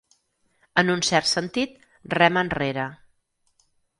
En un cert sentit, rema enrere.